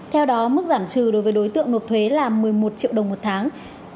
theo đó mức giảm trừ đối với đối tượng nộp thuế là một mươi một triệu đồng một tháng